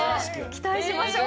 期待しましょう。